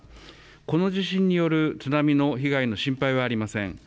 この地震による津波の被害の心配はありません。